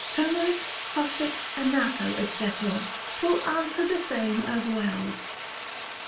Turmeric, fustic, anatto, &c., will answer the same as weld.